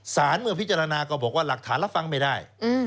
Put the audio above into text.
เมื่อพิจารณาก็บอกว่าหลักฐานรับฟังไม่ได้